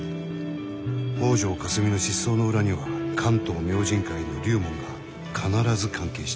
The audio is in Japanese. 「北條かすみ」の失踪の裏には「関東明神会」の龍門が必ず関係している。